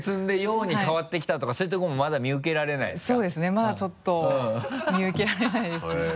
まだちょっと見受けられないですね。